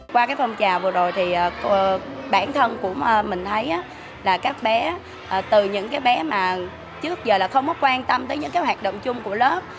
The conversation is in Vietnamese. qua cái phong trào vừa rồi thì bản thân của mình thấy là các bé từ những cái bé mà trước giờ là không có quan tâm tới những cái hoạt động chung của lớp